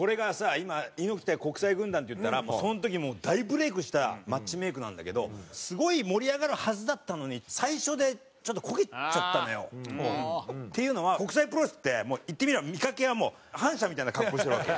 今猪木対国際軍団っていったらその時大ブレークしたマッチメイクなんだけどすごい盛り上がるはずだったのにっていうのは国際プロレスって言ってみれば見かけはもう反社みたいな格好をしてるわけ。